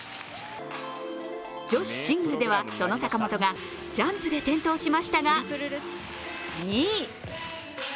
女子シングルではその坂本がジャンプで転倒しましたが２位。